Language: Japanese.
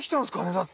だって。